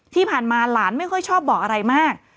ที่ผ่านมาหลานไม่ค่อยชอบบอกอะไรมาก